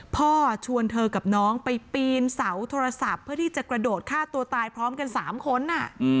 พ่อชวนเธอกับน้องไปปีนเสาโทรศัพท์เพื่อที่จะกระโดดฆ่าตัวตายพร้อมกัน๓คน